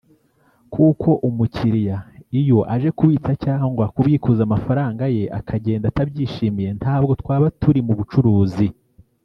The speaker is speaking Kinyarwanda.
kuko umukiriya iyo aje kubitsa cyangwa kubikuza amafaranga ye akagenda atabyishimiye ntabwo twaba turi mu bucuruzi